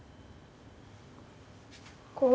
こう？